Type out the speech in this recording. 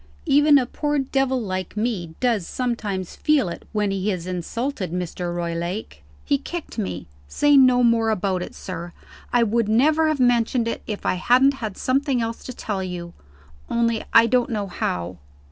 "Even a poor devil, like me, does sometimes feel it when he is insulted. Mr. Roylake, he kicked me. Say no more about it, sir! I would never have mentioned it, if I hadn't had something else to tell you; only I don't know how."